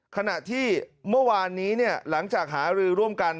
ขณะที่เมื่อวานนี้หลังจากหารือร่วมกัน